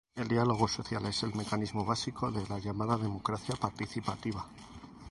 El diálogo social es el mecanismo básico de la llamada democracia participativa.